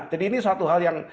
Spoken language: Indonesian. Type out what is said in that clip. jadi ini suatu hal yang